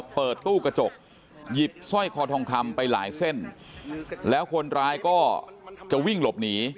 เปิดตู้กระจกหยิบสร้อยคอทองคำไปหลายเส้นแล้วคนร้ายก็จะวิ่งหลบหนี